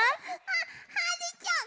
あっはるちゃん！